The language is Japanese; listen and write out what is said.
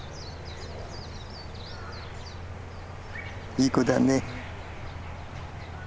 いい子だね。